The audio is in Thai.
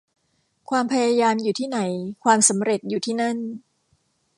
ความพยายามอยู่ที่ไหน ความสำเร็จอยู่ที่นั่น